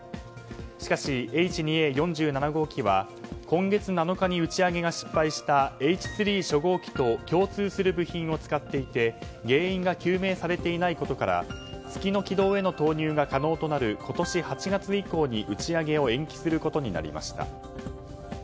しかし、Ｈ２Ａ４７号機は今月７日に打ち上げが失敗したＨ３初号機と共通する部品を使っていて原因が究明されていないことから月の軌道への投入が可能となる今年８月以降に打ち上げを延期することになりました。